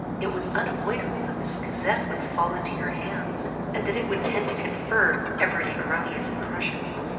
It was unavoidable that this gazette would fall into your hands, and that it would tend to confirm every erroneous impression.